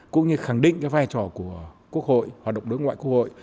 cái vai trò của quốc hội hoạt động đối ngoại của quốc hội